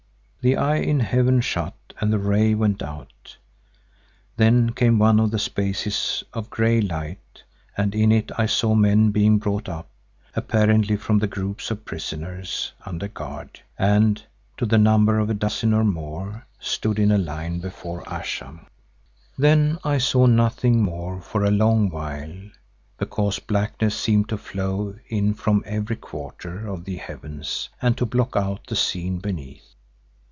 The eye in heaven shut and the ray went out. Then came one of the spaces of grey light and in it I saw men being brought up, apparently from the groups of prisoners, under guard, and, to the number of a dozen or more, stood in a line before Ayesha. Then I saw nothing more for a long while, because blackness seemed to flow in from every quarter of the heavens and to block out the scene beneath.